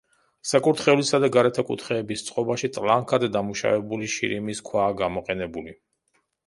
საკურთხევლისა და გარეთა კუთხეების წყობაში ტლანქად დამუშავებული შირიმის ქვაა გამოყენებული.